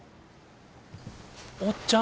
おっちゃん！